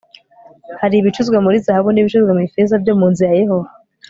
hari ibicuzwe muri zahabu n'ibicuzwe mu ifeza byo mu nzu ya yehova